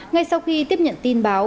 ngay sau khi tiếp nhận tin báo